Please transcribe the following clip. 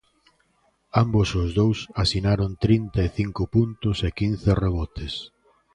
Ambos os dous asinaron trinta e cinco puntos e quince rebotes.